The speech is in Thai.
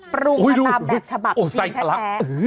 ปรุงตามแบบฉบับสีแท้